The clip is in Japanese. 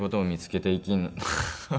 ハハハハ！